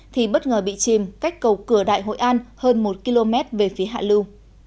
thì bất ngờ bị chìm cách cầu cửa đại hội an hơn một km về phía hạ lưu